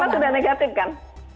karena sudah negatif kan